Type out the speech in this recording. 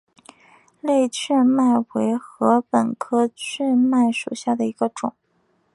类雀麦为禾本科雀麦属下的一个种。